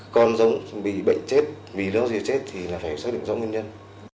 con dông bị bệnh chết vì nó chết thì phải xác định dông nguyên nhân